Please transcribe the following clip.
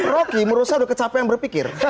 rocky menurut saya sudah kecapek yang berpikir